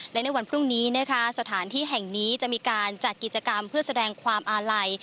และในวันพรุ่งนี้นะคะสถานที่แห่งนี้จะมีการจัดกิจกรรมเพื่อแสดงความอาลัย